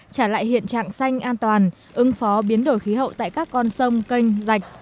trả lại hiện trạng xanh an toàn ứng phó biến đổi khí hậu tại các con sông kênh rạch